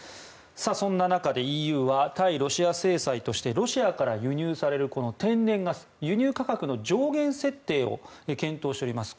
そんな中でＥＵは対ロシア制裁としてロシアから輸入される天然ガスの輸入価格の上限設定を検討しております。